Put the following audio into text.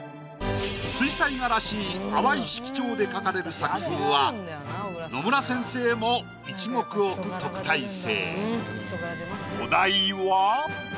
水彩画らしい淡い色調で描かれる作風は野村先生も一目置く特待生。